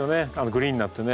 グリーンになってね。